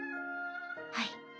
はい。